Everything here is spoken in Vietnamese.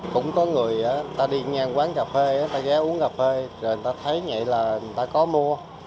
cũng có người ta đi ngang quán cà phê ta ghé uống cà phê rồi người ta thấy vậy là người ta có mua